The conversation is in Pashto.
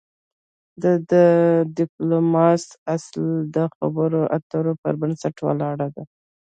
د د ډيپلوماسی اصل د خبرو اترو پر بنسټ ولاړ دی.